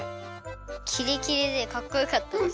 キレキレでかっこよかったです。